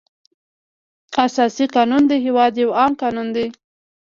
اساسي قانون د هېواد یو عام قانون دی.